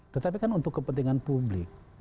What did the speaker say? tetapi kan untuk kepentingan publik